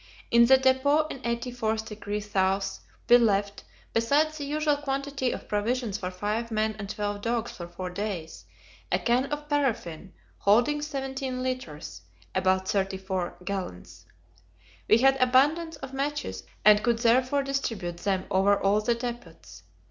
In the depot in 84° S. we left, besides the usual quantity of provisions for five men and twelve dogs for four days, a can of paraffin, holding 17 litres (about 34 gallons). We had abundance of matches, and could therefore distribute them over all the depots.